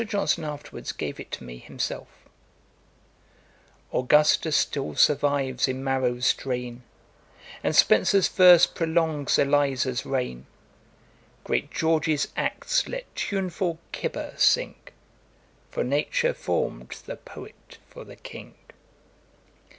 Johnson afterwards gave it to me himself: 'Augustus still survives in Maro's strain, And Spenser's verse prolongs Eliza's reign; Great George's acts let tuneful Cibber sing; For Nature form'd the Poet for the King.'